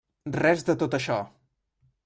Res de tot això.